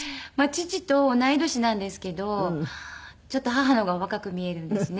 父と同い年なんですけどちょっと母の方が若く見えるんですね。